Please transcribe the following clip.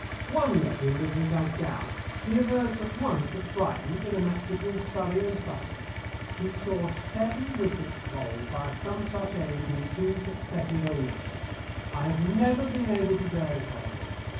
One legend of his I doubt; he avers that once at Brighton, in a match between Surrey and Sussex, he saw seven wickets bowled by some such aid in two successive overs. I have never been able to verify this.